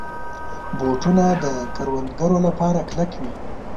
بوټونه د کروندګرو لپاره کلک وي.